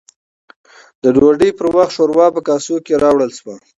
د ډوډۍ پر وخت، شورا په کاسو کې راوړل شوه